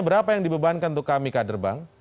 berapa yang dibebankan untuk kami kader bank